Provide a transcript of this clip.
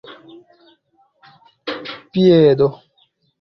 piedo